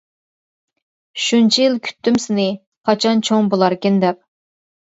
شۇنچە يىل كۈتتۈم سىنى قاچان چوڭ بۇلاركىن دەپ.